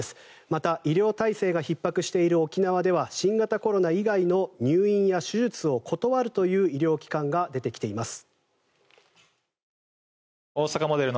また、医療体制がひっ迫している沖縄では新型コロナ以外の入院や手術を断るという医療機関が出てきています。